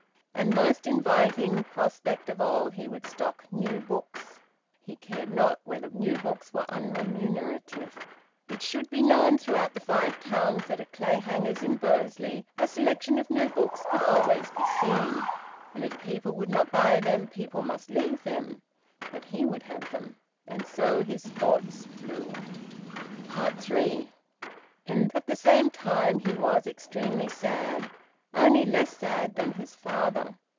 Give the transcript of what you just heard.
And, most inviting prospect of all, he would stock new books. He cared not whether new books were unremunerative. It should be known throughout the Five Towns that at Clayhanger's in Bursley a selection of new books could always be seen. And if people would not buy them people must leave them. But he would have them. And so his thoughts flew. THREE. And at the same time he was extremely sad, only less sad than his father.